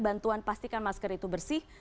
bantuan pastikan masker itu bersih